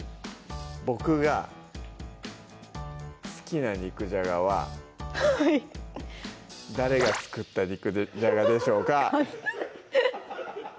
僕が好きな肉じゃがは誰が作った肉じゃがでしょうか？